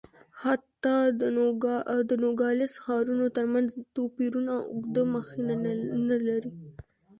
حتی د نوګالس ښارونو ترمنځ توپیرونه اوږده مخینه نه لري.